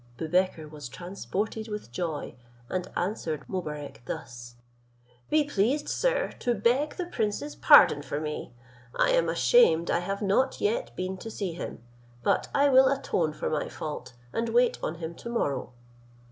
Boubekir was transported with joy, and answered Mobarec thus: "Be pleased, sir, to beg the prince's pardon for me: I am ashamed I have not yet been to see him, but I will atone for my fault, and wait on him to morrow."